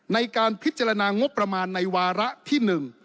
ในการพิจารณางบประมาณในวาระที่๑